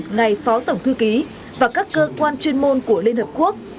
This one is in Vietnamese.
ngài phó tổng thư ký và các cơ quan chuyên môn của liên hợp quốc